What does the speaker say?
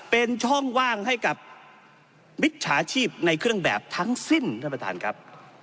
เป็นช่องว่างให้กับมิจฉาชีพในเครื่องแบบทั้งสิ้นท่านประธานครับ